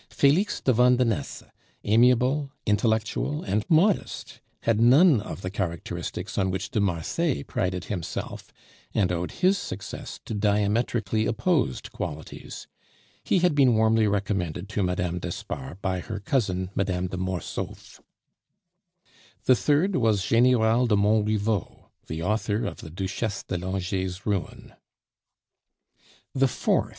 Felix de Vandenesse, amiable, intellectual, and modest, had none of the characteristics on which de Marsay prided himself, and owed his success to diametrically opposed qualities. He had been warmly recommended to Mme. d'Espard by her cousin Mme. de Mortsauf. The third was General de Montriveau, the author of the Duchesse de Langeais' ruin. The fourth, M.